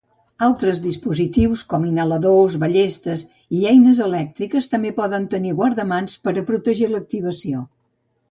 Altres dispositius com inhaladors, ballestes i eines elèctriques també poden tenir guardamans per a protegir l'activació.